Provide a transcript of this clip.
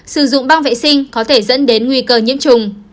sử dụng bom vệ sinh có thể dẫn đến nguy cơ nhiễm trùng